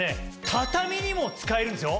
畳にも使えるんですよ。